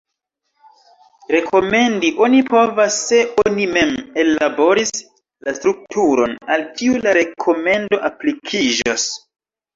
Rekomendi oni povas se oni mem ellaboris la strukturon al kiu la rekomendo aplikiĝos.